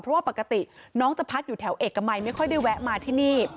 เพราะว่าปกติน้องจะพักอยู่แถวเอกมัยไม่ค่อยได้แวะมาที่นี่